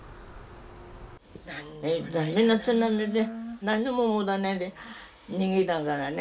津波で何も持たないで逃げたからね。